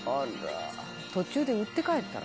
「途中で売って帰ったら？」